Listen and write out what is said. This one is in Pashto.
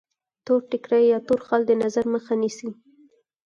تور ټیکری یا تور خال د نظر مخه نیسي.